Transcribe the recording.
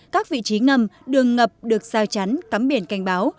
các vị trí ngầm đường ngập được sao chắn cắm biển canh báo